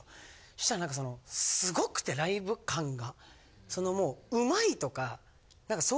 したら何かそのすごくてライブ感が。